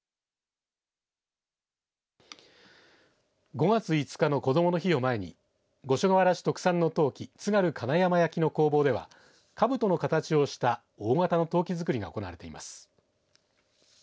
５月５日のこどもの日を前に五所川原市特産の陶器津軽の金山焼の工房ではかぶとの形をした大型の陶器作りが行われています。